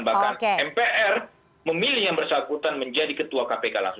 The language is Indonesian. bahkan mpr memilih yang bersangkutan menjadi ketua kpk langsung